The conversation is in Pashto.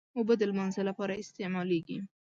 اوبه د لمانځه لپاره استعمالېږي.